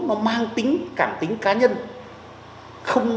nó mang tính cảm tính cá nhân